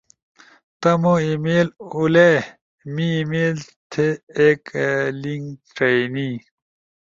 تمو ای میل اُولے، می ای میل تھی ایک لنک ڇئینی